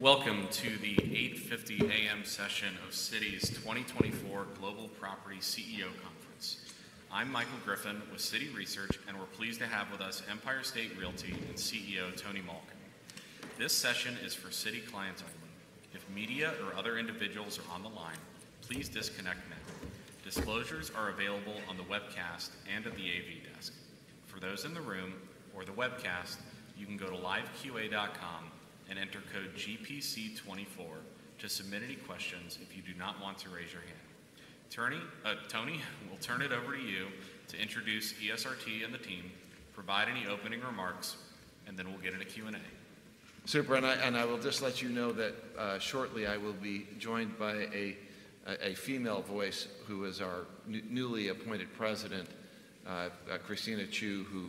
Welcome to the 8:50 A.M. session of Citi's 2024 Global Property CEO Conference. I'm Michael Griffin with Citi Research, and we're pleased to have with us Empire State Realty and CEO, Tony Malkin. This session is for Citi clients only. If media or other individuals are on the line, please disconnect now. Disclosures are available on the webcast and at the AV desk. For those in the room or the webcast, you can go to liveqa.com and enter code GPC24 to submit any questions if you do not want to raise your hand. Tony, we'll turn it over to you to introduce ESRT and the team, provide any opening remarks, and then we'll get into Q&A. Super, I will just let you know that shortly I will be joined by a female voice who is our newly appointed president, Christina Chiu, who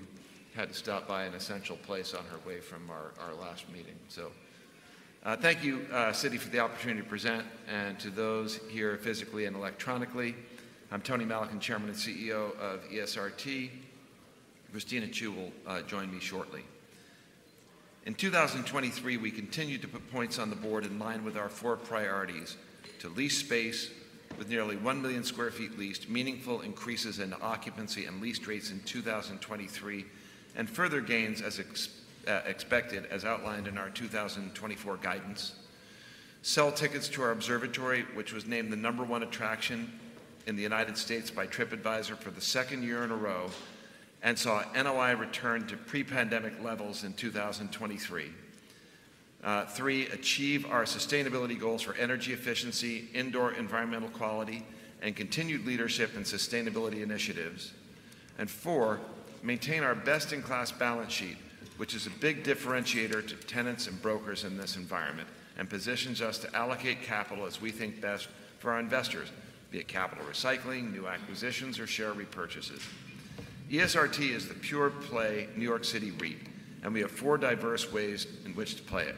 had to stop by an essential place on her way from our last meeting. So, thank you, Citi, for the opportunity to present, and to those here physically and electronically. I'm Tony Malkin, Chairman and CEO of ESRT. Christina Chiu will join me shortly. In 2023, we continued to put points on the board in line with our four priorities: to lease space with nearly 1 million sq ft leased, meaningful increases in occupancy and lease rates in 2023, and further gains as expected, as outlined in our 2024 guidance. Sell tickets to our observatory, which was named the number one attraction in the United States by Tripadvisor for the second year in a row and saw NOI return to pre-pandemic levels in 2023. Three, achieve our sustainability goals for energy efficiency, indoor environmental quality, and continued leadership in sustainability initiatives. And four, maintain our best-in-class balance sheet, which is a big differentiator to tenants and brokers in this environment and positions us to allocate capital as we think best for our investors, be it capital recycling, new acquisitions, or share repurchases. ESRT is the pure-play New York City REIT, and we have four diverse ways in which to play it: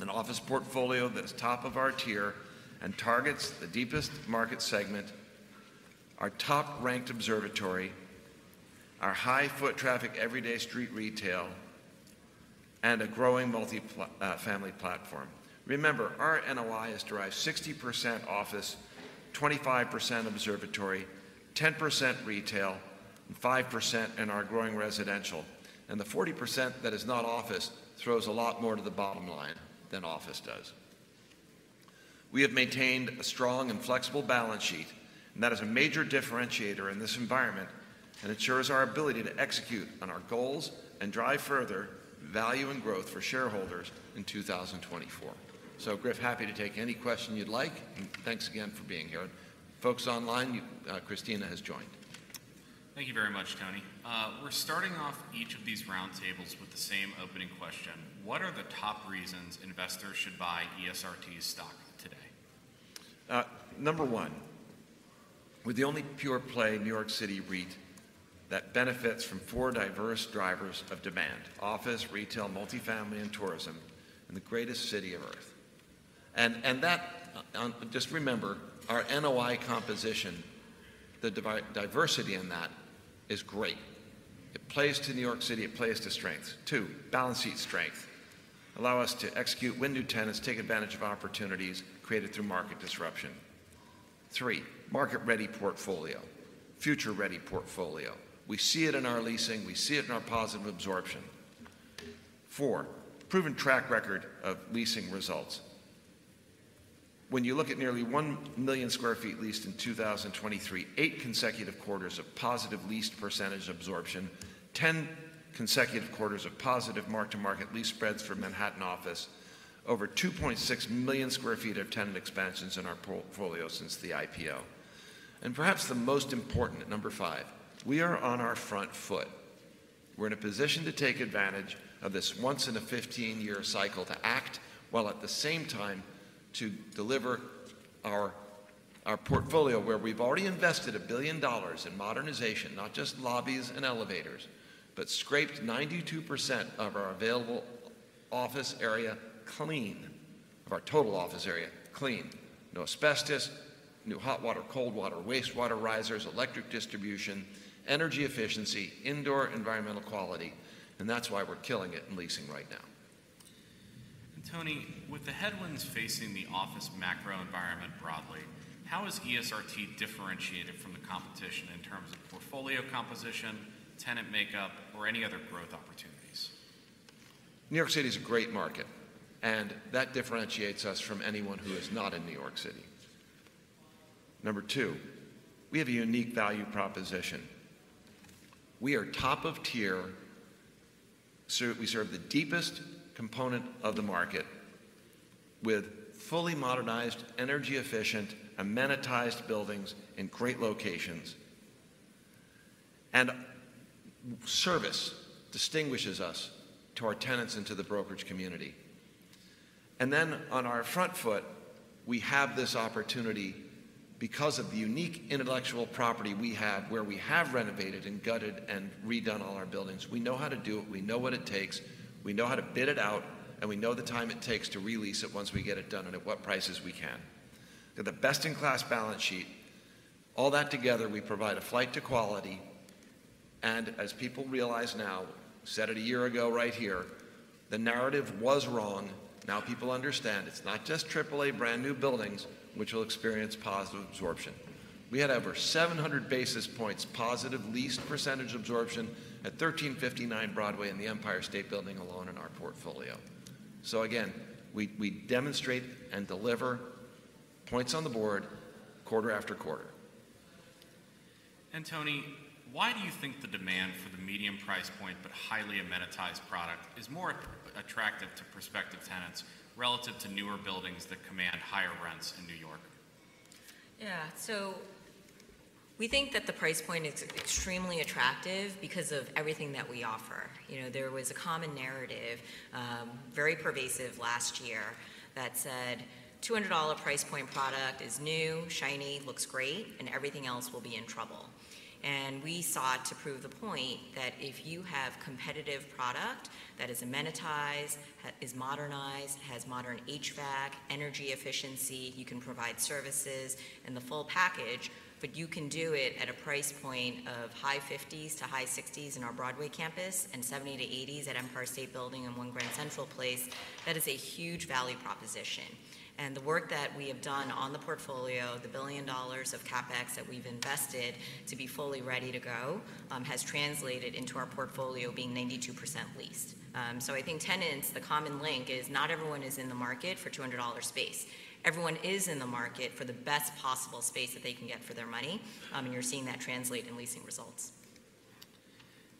an office portfolio that is top of our tier and targets the deepest market segment, our top-ranked observatory, our high-foot traffic everyday street retail, and a growing multifamily platform. Remember, our NOI is derived 60% office, 25% observatory, 10% retail, and 5% in our growing residential, and the 40% that is not office throws a lot more to the bottom line than office does. We have maintained a strong and flexible balance sheet, and that is a major differentiator in this environment and ensures our ability to execute on our goals and drive further value and growth for shareholders in 2024. So, Griff, happy to take any question you'd like, and thanks again for being here. Folks online, you, Christina has joined. Thank you very much, Tony. We're starting off each of these roundtables with the same opening question: what are the top reasons investors should buy ESRT's stock today? Number one, we're the only pure-play New York City REIT that benefits from four diverse drivers of demand: office, retail, multifamily, and tourism in the greatest city on Earth. And that, oh, just remember, our NOI composition, the diversity in that, is great. It plays to New York City. It plays to strengths. Two, balance sheet strength. Allows us to execute, win new tenants, take advantage of opportunities created through market disruption. Three, market-ready portfolio, future-ready portfolio. We see it in our leasing. We see it in our positive absorption. Four, proven track record of leasing results. When you look at nearly 1 million sq ft leased in 2023, eight consecutive quarters of positive leased percentage absorption, 10 consecutive quarters of positive mark-to-market lease spreads for Manhattan office, over 2.6 million sq ft of tenant expansions in our portfolio since the IPO. Perhaps the most important, number five, we are on our front foot. We're in a position to take advantage of this once-in-a-15-year cycle to act while at the same time to deliver our portfolio where we've already invested $1 billion in modernization, not just lobbies and elevators, but scraped 92% of our available office area clean, of our total office area clean. No asbestos, new hot water, cold water, wastewater risers, electric distribution, energy efficiency, indoor environmental quality, and that's why we're killing it in leasing right now. Tony, with the headwinds facing the office macro environment broadly, how is ESRT differentiated from the competition in terms of portfolio composition, tenant makeup, or any other growth opportunities? New York City is a great market, and that differentiates us from anyone who is not in New York City. Number two, we have a unique value proposition. We are top of tier. We serve the deepest component of the market with fully modernized, energy-efficient, amenitized buildings in great locations, and service distinguishes us to our tenants and to the brokerage community. And then on our front foot, we have this opportunity because of the unique intellectual property we have where we have renovated and gutted and redone all our buildings. We know how to do it. We know what it takes. We know how to bid it out, and we know the time it takes to release it once we get it done and at what prices we can. We've got the best-in-class balance sheet. All that together, we provide a flight to quality, and as people realize now, said it a year ago right here, the narrative was wrong. Now people understand it's not just AAA brand new buildings which will experience positive absorption. We had over 700 basis points positive leased percentage absorption at 1359 Broadway in the Empire State Building alone in our portfolio. So again, we demonstrate and deliver points on the board quarter-after-quarter. Tony, why do you think the demand for the medium price point but highly amenitized product is more attractive to prospective tenants relative to newer buildings that command higher rents in New York? Yeah. So we think that the price point is extremely attractive because of everything that we offer. You know, there was a common narrative, very pervasive last year that said $200 price point product is new, shiny, looks great, and everything else will be in trouble. And we sought to prove the point that if you have competitive product that is amenitized, has modernized, has modern HVAC, energy efficiency, you can provide services in the full package, but you can do it at a price point of high $50s-high $60s in our Broadway Campus and $70s-$80s at Empire State Building and One Grand Central Place, that is a huge value proposition. And the work that we have done on the portfolio, the $1 billion of CapEx that we've invested to be fully ready to go, has translated into our portfolio being 92% leased. I think tenants, the common link is not everyone is in the market for $200 space. Everyone is in the market for the best possible space that they can get for their money, and you're seeing that translate in leasing results.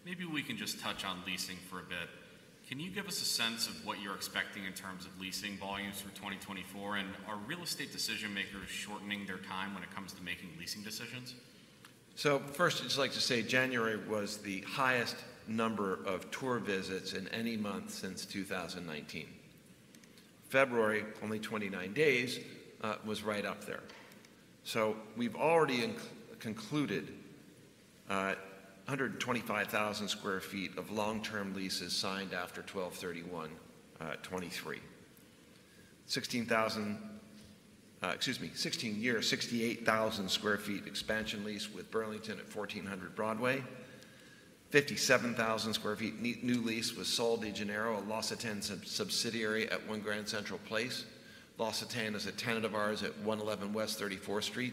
Maybe we can just touch on leasing for a bit. Can you give us a sense of what you're expecting in terms of leasing volumes for 2024, and are real estate decision-makers shortening their time when it comes to making leasing decisions? So first, I'd just like to say January was the highest number of tour visits in any month since 2019. February, only 29 days, was right up there. So we've already concluded 125,000 sq ft of long-term leases signed after 12/31/2023. 16,000, excuse me, 16 years, 68,000 sq ft expansion lease with Burlington at 1400 Broadway. 57,000 sq ft new lease was Sol de Janeiro, a L'Occitane subsidiary at One Grand Central Place. L'Occitane is a tenant of ours at 111 West 34th Street.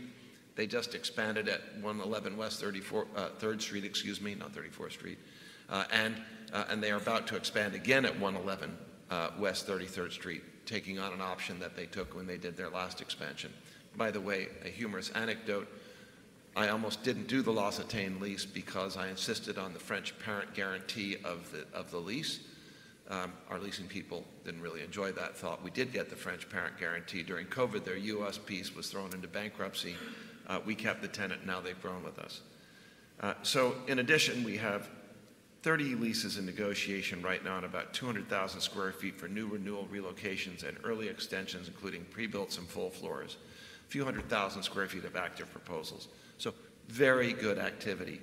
They just expanded at 111 West 34th, 3rd Street, excuse me, not 34th Street, and they are about to expand again at 111 West 33rd Street, taking on an option that they took when they did their last expansion. By the way, a humorous anecdote, I almost didn't do the L'Occitane lease because I insisted on the French parent guarantee of the lease. Our leasing people didn't really enjoy that thought. We did get the French parent guarantee. During COVID, their U.S. piece was thrown into bankruptcy. We kept the tenant. Now they've grown with us. So in addition, we have 30 leases in negotiation right now on about 200,000 sq ft for new renewal relocations and early extensions, including pre-builts and full floors. A few hundred thousand sq ft of active proposals. So very good activity.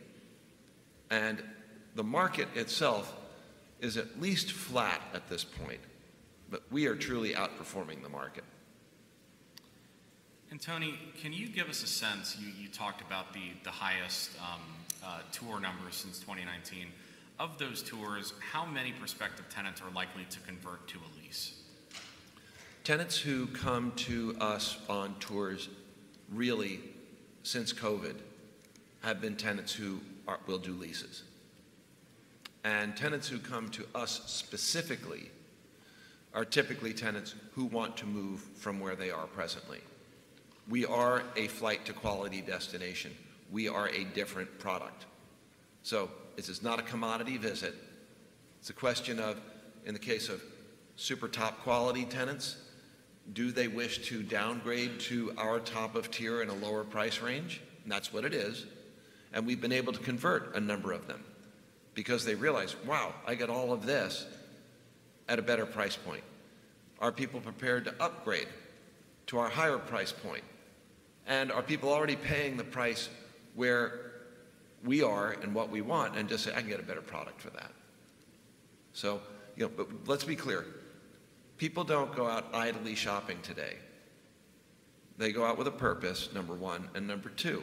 And the market itself is at least flat at this point, but we are truly outperforming the market. Tony, can you give us a sense? You talked about the highest tour numbers since 2019. Of those tours, how many prospective tenants are likely to convert to a lease? Tenants who come to us on tours really since COVID have been tenants who are willing to do leases. And tenants who come to us specifically are typically tenants who want to move from where they are presently. We are a flight-to-quality destination. We are a different product. So this is not a commodity visit. It's a question of, in the case of super top quality tenants, do they wish to downgrade to our top of tier in a lower price range? That's what it is. And we've been able to convert a number of them because they realize, "Wow, I got all of this at a better price point." Are people prepared to upgrade to our higher price point? Are people already paying the price where we are and what we want and just say, "I can get a better product for that." So, you know, but let's be clear. People don't go out idly shopping today. They go out with a purpose, number one, and number two.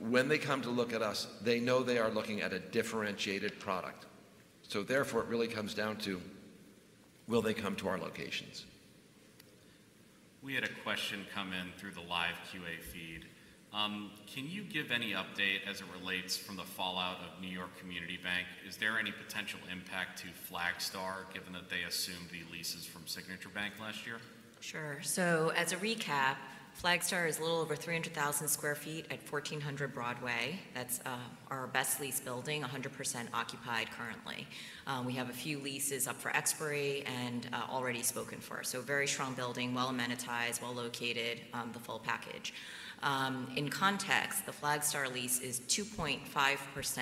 When they come to look at us, they know they are looking at a differentiated product. So therefore, it really comes down to will they come to our locations? We had a question come in through the live QA feed. Can you give any update as it relates from the fallout of New York Community Bank? Is there any potential impact to Flagstar given that they assumed the leases from Signature Bank last year? Sure. So as a recap, Flagstar is a little over 300,000 sq ft at 1400 Broadway. That's our best leased building, 100% occupied currently. We have a few leases up for expiry and already spoken for. So very strong building, well amenitized, well located, the full package. In context, the Flagstar lease is 2.5%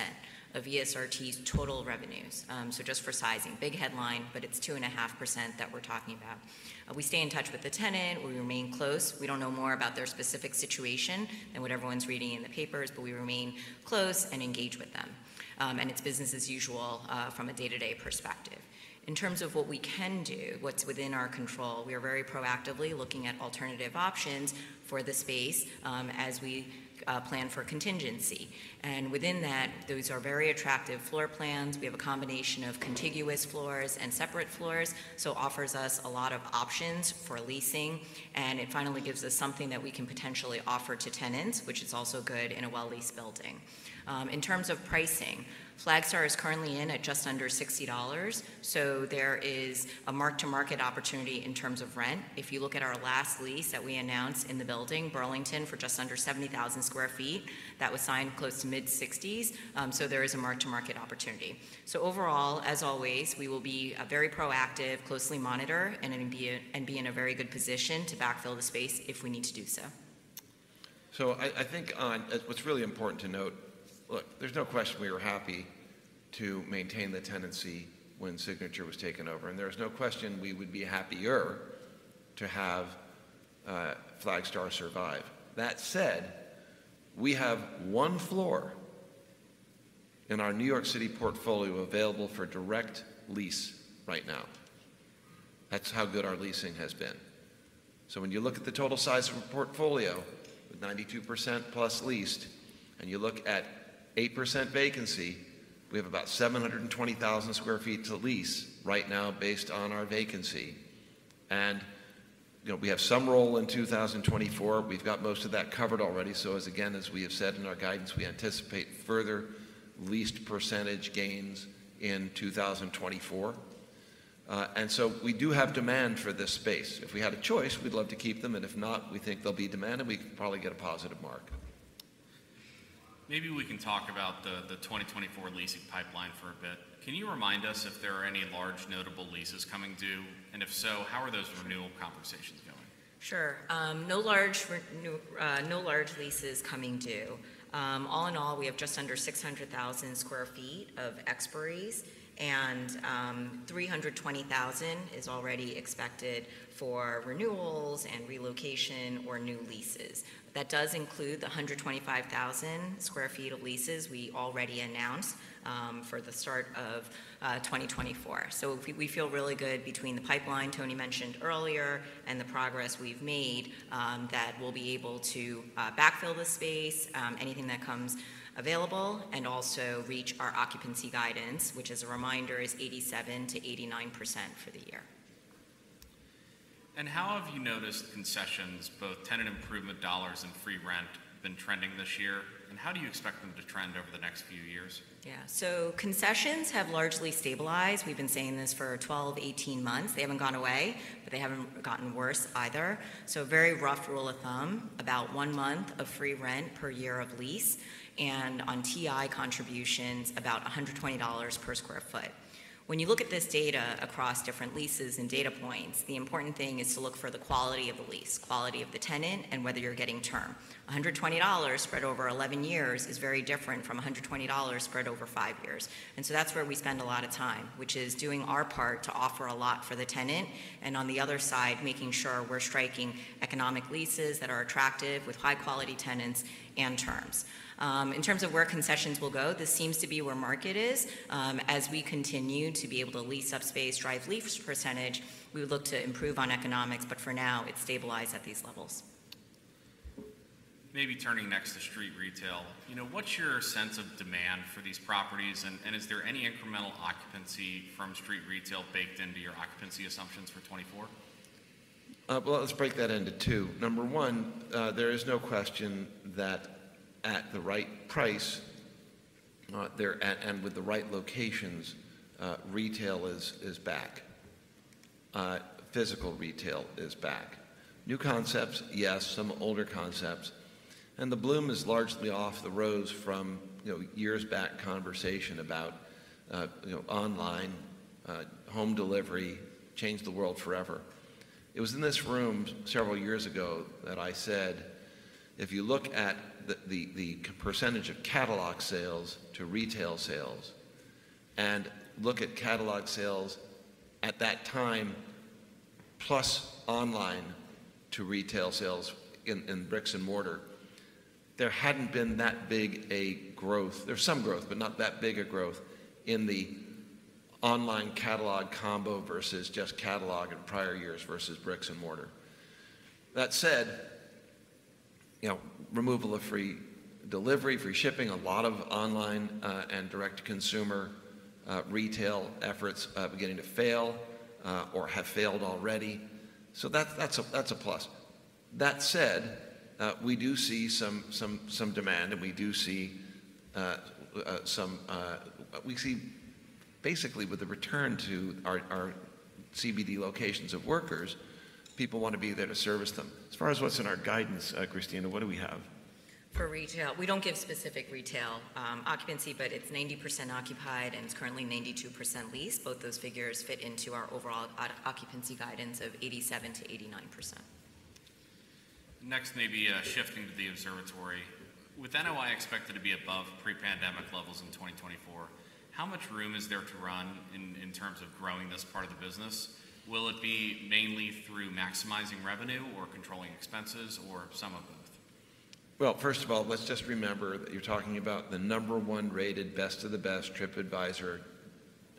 of ESRT's total revenues. So just for sizing, big headline, but it's 2.5% that we're talking about. We stay in touch with the tenant. We remain close. We don't know more about their specific situation than what everyone's reading in the papers, but we remain close and engage with them. And it's business as usual, from a day-to-day perspective. In terms of what we can do, what's within our control, we are very proactively looking at alternative options for the space, as we plan for contingency. And within that, those are very attractive floor plans. We have a combination of contiguous floors and separate floors, so it offers us a lot of options for leasing, and it finally gives us something that we can potentially offer to tenants, which is also good in a well-leased building. In terms of pricing, Flagstar is currently in at just under $60, so there is a mark-to-market opportunity in terms of rent. If you look at our last lease that we announced in the building, Burlington, for just under 70,000 sq ft, that was signed close to mid-60s. So there is a mark-to-market opportunity. So overall, as always, we will be very proactive, closely monitor, and be in a very good position to backfill the space if we need to do so. So I think what's really important to note, look, there's no question we were happy to maintain the tenancy when Signature was taken over, and there's no question we would be happier to have Flagstar survive. That said, we have one floor in our New York City portfolio available for direct lease right now. That's how good our leasing has been. So when you look at the total size of our portfolio with 92%+ leased and you look at 8% vacancy, we have about 720,000 sq ft to lease right now based on our vacancy. And, you know, we have some roll in 2024. We've got most of that covered already. So as again, as we have said in our guidance, we anticipate further leased percentage gains in 2024. And so we do have demand for this space. If we had a choice, we'd love to keep them, and if not, we think they'll be demanded. We could probably get a positive mark. Maybe we can talk about the 2024 leasing pipeline for a bit. Can you remind us if there are any large notable leases coming due, and if so, how are those renewal conversations going? Sure. No large renewal, no large leases coming due. All in all, we have just under 600,000 sq ft of expiries, and 320,000 sq ft is already expected for renewals and relocation or new leases. That does include the 125,000 sq ft of leases we already announced, for the start of 2024. So we feel really good between the pipeline Tony mentioned earlier and the progress we've made, that we'll be able to backfill the space, anything that comes available, and also reach our occupancy guidance, which as a reminder is 87%-89% for the year. How have you noticed concessions, both tenant improvement dollars and free rent, been trending this year, and how do you expect them to trend over the next few years? Yeah. So concessions have largely stabilized. We've been saying this for 12, 18 months. They haven't gone away, but they haven't gotten worse either. So very rough rule of thumb, about one month of free rent per year of lease and on TI contributions about $120 per sq ft. When you look at this data across different leases and data points, the important thing is to look for the quality of the lease, quality of the tenant, and whether you're getting term. $120 spread over 11 years is very different from $120 spread over 5 years. And so that's where we spend a lot of time, which is doing our part to offer a lot for the tenant and on the other side making sure we're striking economic leases that are attractive with high-quality tenants and terms. In terms of where concessions will go, this seems to be where market is. As we continue to be able to lease up space, drive lease percentage, we would look to improve on economics, but for now, it's stabilized at these levels. Maybe turning next to street retail. You know, what's your sense of demand for these properties, and is there any incremental occupancy from street retail baked into your occupancy assumptions for 2024? Well, let's break that into two. Number one, there is no question that at the right price, there, at, and with the right locations, retail is back. Physical retail is back. New concepts, yes, some older concepts. And the bloom is largely off the rose from, you know, years back conversation about, you know, online, home delivery, changed the world forever. It was in this room several years ago that I said, "If you look at the percentage of catalog sales to retail sales and look at catalog sales at that time plus online to retail sales in bricks and mortar, there hadn't been that big a growth. There's some growth, but not that big a growth in the online catalog combo versus just catalog in prior years versus bricks and mortar." That said, you know, removal of free delivery, free shipping, a lot of online, and direct-to-consumer retail efforts, beginning to fail, or have failed already. So that's a plus. That said, we do see some demand, and we do see some— we see basically with the return to our CBD locations of workers, people want to be there to service them. As far as what's in our guidance, Christina, what do we have? For retail, we don't give specific retail, occupancy, but it's 90% occupied and it's currently 92% leased. Both those figures fit into our overall occupancy guidance of 87%-89%. Next, maybe, shifting to the observatory. With NOI expected to be above pre-pandemic levels in 2024, how much room is there to run in, in terms of growing this part of the business? Will it be mainly through maximizing revenue or controlling expenses or some of both? Well, first of all, let's just remember that you're talking about the number one rated Best of the Best Tripadvisor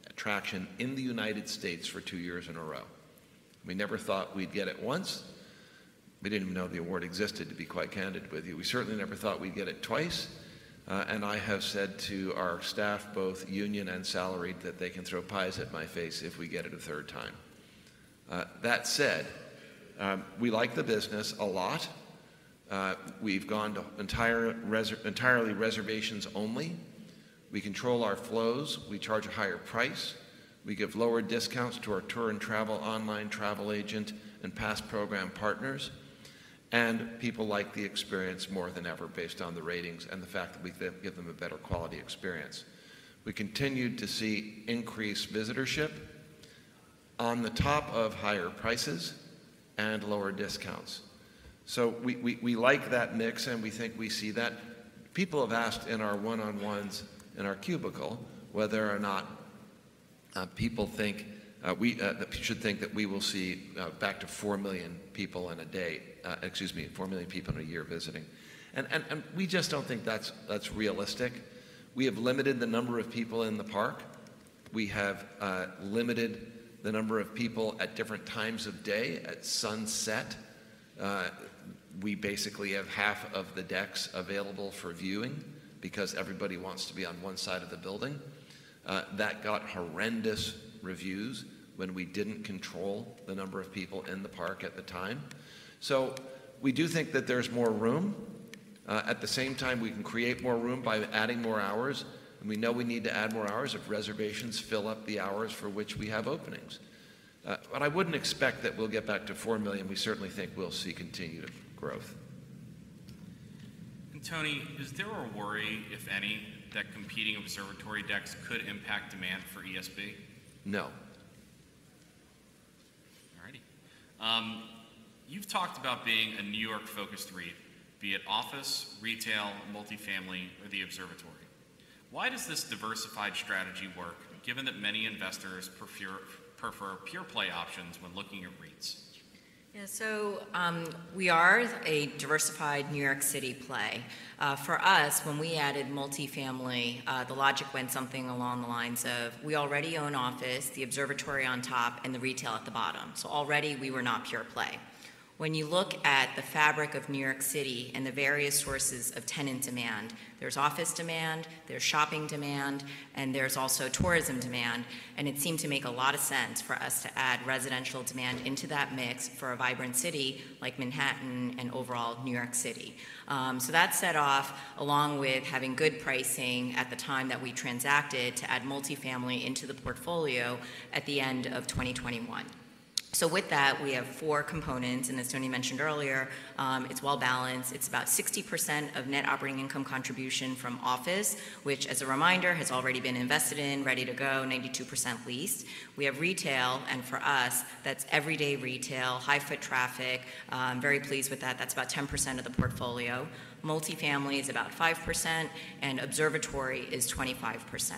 attraction in the United States for two years in a row. We never thought we'd get it once. We didn't even know the award existed, to be quite candid with you. We certainly never thought we'd get it twice. And I have said to our staff, both union and salaried, that they can throw pies at my face if we get it a third time. That said, we like the business a lot. We've gone to entirely reservations only. We control our flows. We charge a higher price. We give lower discounts to our tour and travel, online travel agent, and past program partners. And people like the experience more than ever based on the ratings and the fact that we give them a better quality experience. We continued to see increased visitorship on the top of higher prices and lower discounts. So we like that mix, and we think we see that. People have asked in our one-on-ones in our cubicle whether or not people think that people should think that we will see back to 4 million people in a day, excuse me, 4 million people in a year visiting. And we just don't think that's realistic. We have limited the number of people in the park. We have limited the number of people at different times of day at sunset. We basically have half of the decks available for viewing because everybody wants to be on one side of the building. That got horrendous reviews when we didn't control the number of people in the park at the time. So we do think that there's more room. At the same time, we can create more room by adding more hours, and we know we need to add more hours if reservations fill up the hours for which we have openings. But I wouldn't expect that we'll get back to 4 million. We certainly think we'll see continued growth. Tony, is there a worry, if any, that competing observatory decks could impact demand for ESB? No. All righty. You've talked about being a New York-focused REIT, be it office, retail, multifamily, or the observatory. Why does this diversified strategy work given that many investors prefer pure-play options when looking at REITs? Yeah. So, we are a diversified New York City play. For us, when we added multifamily, the logic went something along the lines of we already own office, the observatory on top, and the retail at the bottom. So already, we were not pure-play. When you look at the fabric of New York City and the various sources of tenant demand, there's office demand, there's shopping demand, and there's also tourism demand, and it seemed to make a lot of sense for us to add residential demand into that mix for a vibrant city like Manhattan and overall New York City. So that set off along with having good pricing at the time that we transacted to add multifamily into the portfolio at the end of 2021. So with that, we have four components, and as Tony mentioned earlier, it's well balanced. It's about 60% of net operating income contribution from office, which, as a reminder, has already been invested in, ready to go, 92% leased. We have retail, and for us, that's everyday retail, high-foot traffic. Very pleased with that. That's about 10% of the portfolio. Multifamily is about 5%, and observatory is 25%.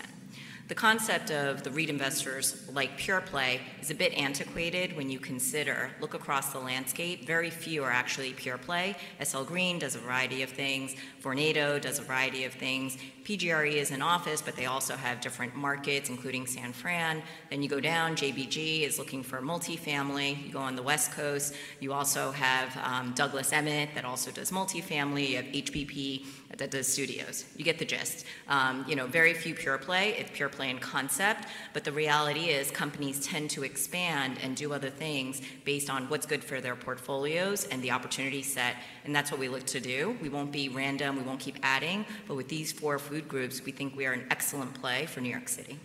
The concept of the REIT investors like pure-play is a bit antiquated when you consider look across the landscape. Very few are actually pure-play. SL Green does a variety of things. Vornado does a variety of things. PGRE is an office, but they also have different markets, including San Fran. Then you go down. JBG is looking for multifamily. You go on the West Coast. You also have, Douglas Emmett that also does multifamily. You have HPP that does studios. You get the gist. You know, very few pure-play. It's pure-play in concept, but the reality is companies tend to expand and do other things based on what's good for their portfolios and the opportunity set, and that's what we look to do. We won't be random. We won't keep adding. But with these four food groups, we think we are an excellent play for New York City.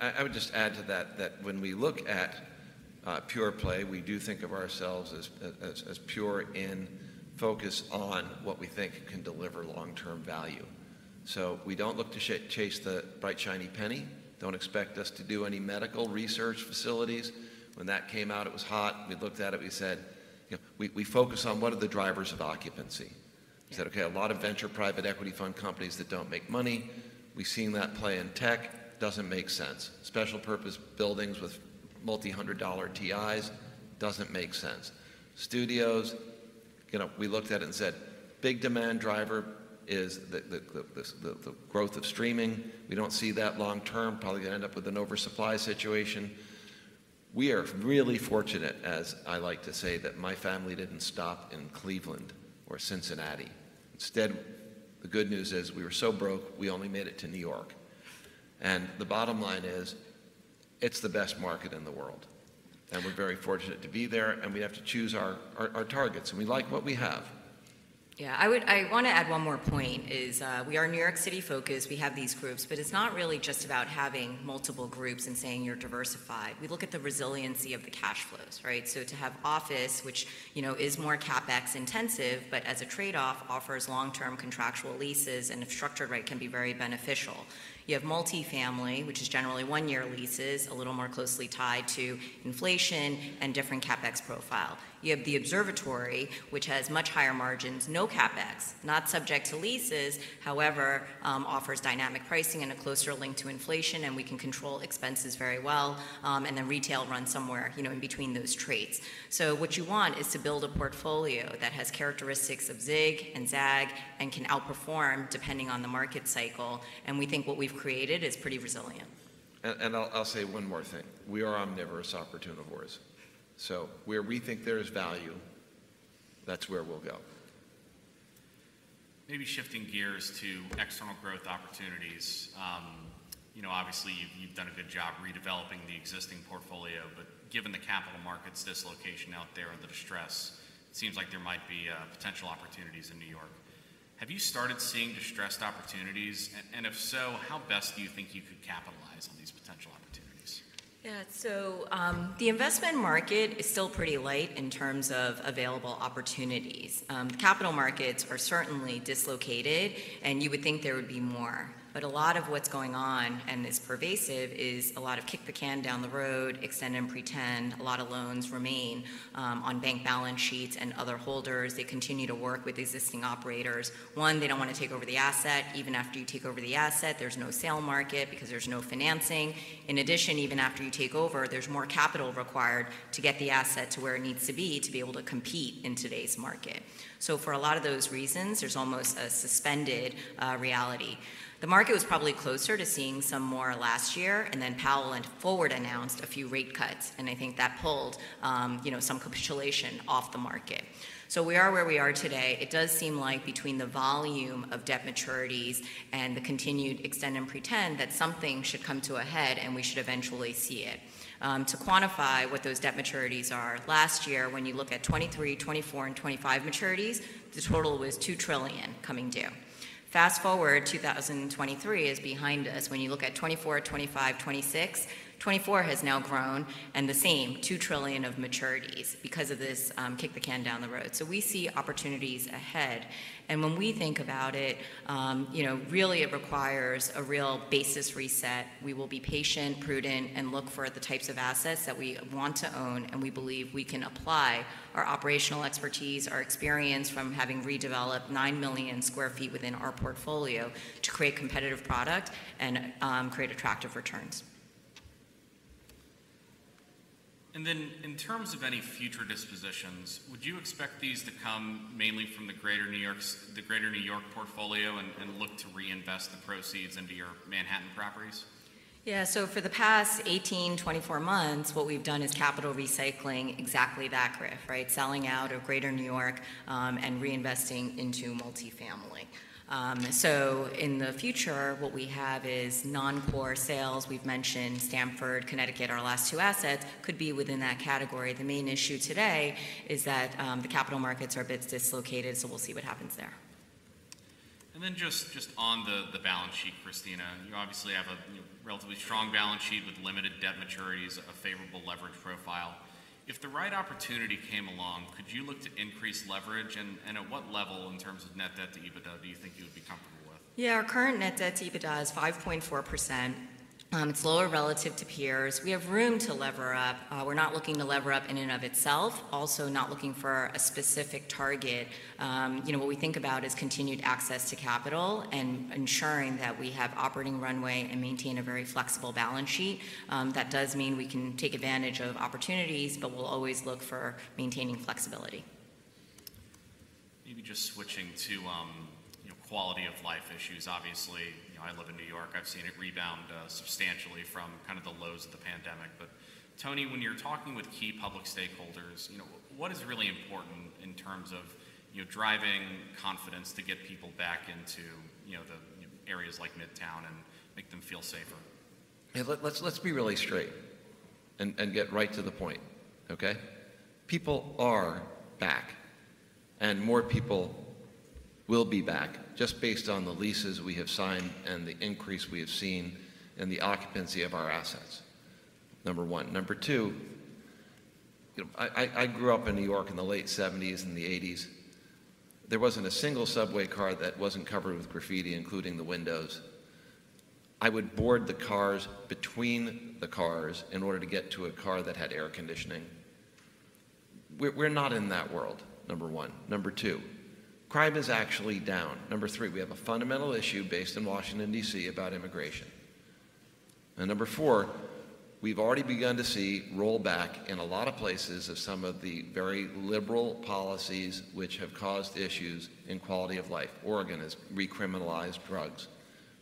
I would just add to that that when we look at pure-play, we do think of ourselves as pure in focus on what we think can deliver long-term value. So we don't look to chase the bright shiny penny. Don't expect us to do any medical research facilities. When that came out, it was hot. We looked at it. We said, you know, we focus on what are the drivers of occupancy." We said, "Okay. A lot of venture private equity fund companies that don't make money. We've seen that play in tech. Doesn't make sense. Special purpose buildings with multi-hundred dollar TIs. Doesn't make sense. Studios, you know, we looked at it and said, "Big demand driver is the growth of streaming. We don't see that long term. Probably going to end up with an oversupply situation." We are really fortunate, as I like to say, that my family didn't stop in Cleveland or Cincinnati. Instead, the good news is we were so broke, we only made it to New York. And the bottom line is it's the best market in the world, and we're very fortunate to be there, and we have to choose our targets, and we like what we have. Yeah. I want to add one more point is, we are New York City-focused. We have these groups, but it's not really just about having multiple groups and saying you're diversified. We look at the resiliency of the cash flows, right? So to have office, which, you know, is more CapEx intensive but as a trade-off offers long-term contractual leases and a structured rate can be very beneficial. You have multifamily, which is generally one-year leases, a little more closely tied to inflation and different CapEx profile. You have the observatory, which has much higher margins, no CapEx, not subject to leases, however, offers dynamic pricing and a closer link to inflation, and we can control expenses very well, and then retail runs somewhere, you know, in between those trades. What you want is to build a portfolio that has characteristics of ZIG and ZAG and can outperform depending on the market cycle, and we think what we've created is pretty resilient. I'll say one more thing. We are omnivorous opportunivores. Where we think there is value, that's where we'll go. Maybe shifting gears to external growth opportunities. You know, obviously, you've done a good job redeveloping the existing portfolio, but given the capital markets dislocation out there and the distress, it seems like there might be potential opportunities in New York. Have you started seeing distressed opportunities? And if so, how best do you think you could capitalize on these potential opportunities? Yeah. So, the investment market is still pretty light in terms of available opportunities. The capital markets are certainly dislocated, and you would think there would be more, but a lot of what's going on and is pervasive is a lot of kick the can down the road, extend and pretend. A lot of loans remain on bank balance sheets and other holders. They continue to work with existing operators. One, they don't want to take over the asset. Even after you take over the asset, there's no sale market because there's no financing. In addition, even after you take over, there's more capital required to get the asset to where it needs to be to be able to compete in today's market. So for a lot of those reasons, there's almost a suspended reality. The market was probably closer to seeing some more last year, and then Powell and Forward announced a few rate cuts, and I think that pulled, you know, some capitulation off the market. So we are where we are today. It does seem like between the volume of debt maturities and the continued extend and pretend that something should come to a head, and we should eventually see it. To quantify what those debt maturities are, last year, when you look at 2023, 2024, and 2025 maturities, the total was $2 trillion coming due. Fast forward. 2023 is behind us. When you look at 2024, 2025, 2026, 2024 has now grown and the same, $2 trillion of maturities because of this, kick the can down the road. So we see opportunities ahead. And when we think about it, you know, really, it requires a real basis reset. We will be patient, prudent, and look for the types of assets that we want to own, and we believe we can apply our operational expertise, our experience from having redeveloped 9 million sq ft within our portfolio to create competitive product and create attractive returns. Then in terms of any future dispositions, would you expect these to come mainly from the greater New York portfolio and look to reinvest the proceeds into your Manhattan properties? Yeah. So for the past 18-24 months, what we've done is capital recycling exactly that, Griff, right, selling out of greater New York, and reinvesting into multifamily. So in the future, what we have is non-core sales. We've mentioned Stamford, Connecticut, our last two assets could be within that category. The main issue today is that the capital markets are a bit dislocated, so we'll see what happens there. And then just on the balance sheet, Christina, you obviously have a, you know, relatively strong balance sheet with limited debt maturities, a favorable leverage profile. If the right opportunity came along, could you look to increase leverage, and at what level in terms of net debt to EBITDA do you think you would be comfortable with? Yeah. Our current net debt to EBITDA is 5.4%. It's lower relative to peers. We have room to lever up. We're not looking to lever up in and of itself, also not looking for a specific target. You know, what we think about is continued access to capital and ensuring that we have operating runway and maintain a very flexible balance sheet. That does mean we can take advantage of opportunities, but we'll always look for maintaining flexibility. Maybe just switching to, you know, quality of life issues. Obviously, you know, I live in New York. I've seen it rebound, substantially from kind of the lows of the pandemic. But Tony, when you're talking with key public stakeholders, you know, what is really important in terms of, you know, driving confidence to get people back into, you know, the, you know, areas like Midtown and make them feel safer? Hey, let's be really straight and get right to the point, okay? People are back, and more people will be back just based on the leases we have signed and the increase we have seen in the occupancy of our assets, number one. Number two, you know, I grew up in New York in the late 1970s and the 1980s. There wasn't a single subway car that wasn't covered with graffiti, including the windows. I would board the cars between the cars in order to get to a car that had air conditioning. We're not in that world, number one. Number two, crime is actually down. Number three, we have a fundamental issue based in Washington, D.C. about immigration. And number four, we've already begun to see rollback in a lot of places of some of the very liberal policies which have caused issues in quality of life. Oregon has recriminalized drugs.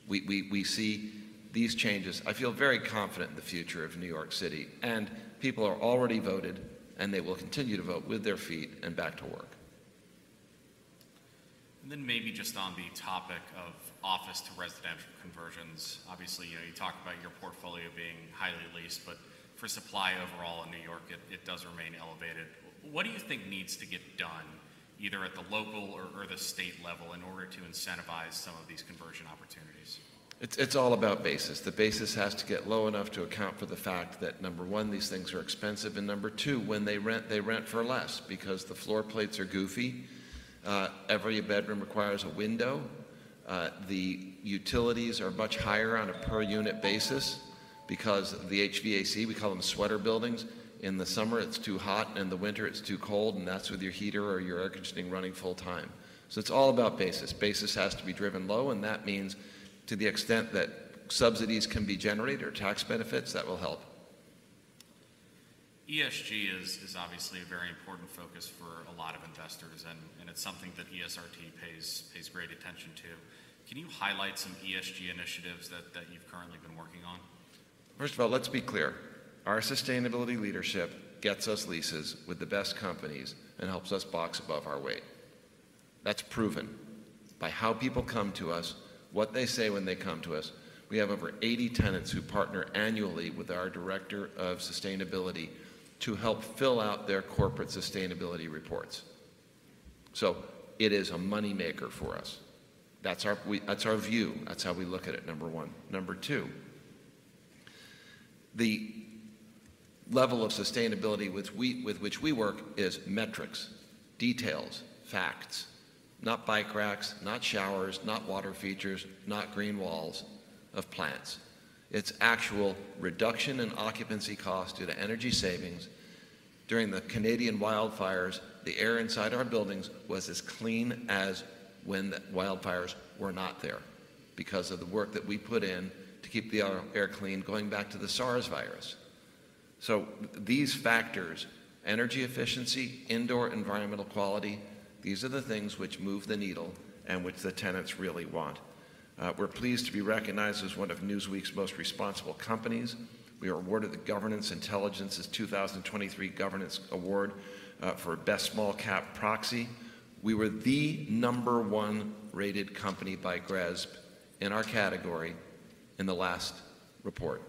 We see these changes. I feel very confident in the future of New York City, and people are already voted, and they will continue to vote with their feet and back to work. And then maybe just on the topic of office-to-residential conversions. Obviously, you know, you talked about your portfolio being highly leased, but for supply overall in New York, it does remain elevated. What do you think needs to get done either at the local or the state level in order to incentivize some of these conversion opportunities? It's all about basis. The basis has to get low enough to account for the fact that, number one, these things are expensive, and number two, when they rent, they rent for less because the floor plates are goofy. Every bedroom requires a window. The utilities are much higher on a per-unit basis because the HVAC, we call them sweater buildings. In the summer, it's too hot, and in the winter, it's too cold, and that's with your heater or your air conditioning running full time. So it's all about basis. Basis has to be driven low, and that means to the extent that subsidies can be generated or tax benefits, that will help. ESG is obviously a very important focus for a lot of investors, and it's something that ESRT pays great attention to. Can you highlight some ESG initiatives that you've currently been working on? First of all, let's be clear. Our sustainability leadership gets us leases with the best companies and helps us box above our weight. That's proven by how people come to us, what they say when they come to us. We have over 80 tenants who partner annually with our director of sustainability to help fill out their corporate sustainability reports. So it is a moneymaker for us. That's our view. That's how we look at it, number one. Number two, the level of sustainability with which we work is metrics, details, facts, not bike racks, not showers, not water features, not green walls of plants. It's actual reduction in occupancy cost due to energy savings. During the Canadian wildfires, the air inside our buildings was as clean as when the wildfires were not there because of the work that we put in to keep the air clean going back to the SARS virus. So these factors, energy efficiency, indoor environmental quality, these are the things which move the needle and which the tenants really want. We're pleased to be recognized as one of Newsweek's most responsible companies. We were awarded the Governance Intelligence's 2023 Governance Award, for best small-cap proxy. We were the number one rated company by GRESB in our category in the last report,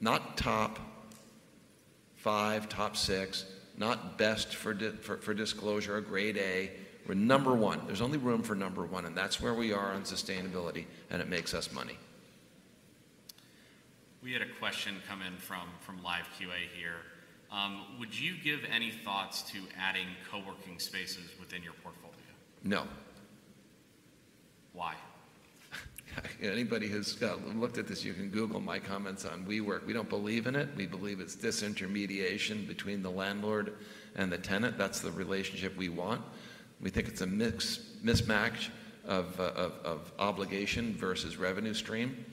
not top five, top six, not best for disclosure or grade A. We're number one. There's only room for number one, and that's where we are on sustainability, and it makes us money. We had a question come in from LiveQA here. Would you give any thoughts to adding coworking spaces within your portfolio? No. Why? Anybody who's looked at this, you can Google my comments on WeWork. We don't believe in it. We believe it's disintermediation between the landlord and the tenant. That's the relationship we want. We think it's a mix mismatch of obligation versus revenue stream.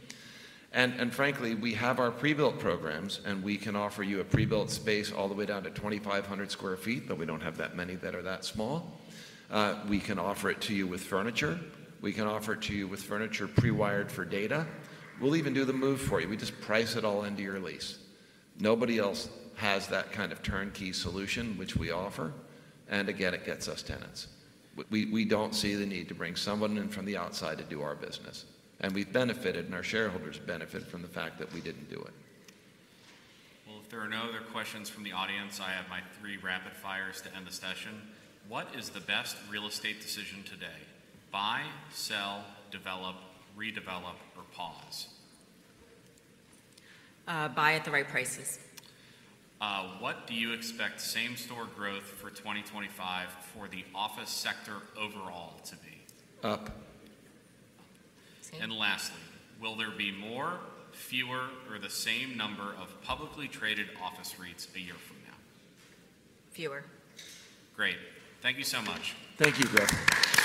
And frankly, we have our pre-built programs, and we can offer you a pre-built space all the way down to 2,500 sq ft, though we don't have that many that are that small. We can offer it to you with furniture. We can offer it to you with furniture prewired for data. We'll even do the move for you. We just price it all into your lease. Nobody else has that kind of turnkey solution, which we offer. And again, it gets us tenants. We don't see the need to bring someone in from the outside to do our business, and we've benefited, and our shareholders benefit from the fact that we didn't do it. Well, if there are no other questions from the audience, I have my three rapid fires to end the session. What is the best real estate decision today: buy, sell, develop, redevelop, or pause? Buy at the right prices. What do you expect same-store growth for 2025 for the office sector overall to be? Up. Lastly, will there be more, fewer, or the same number of publicly traded office REITs a year from now? Fewer. Great. Thank you so much. Thank you, Griff.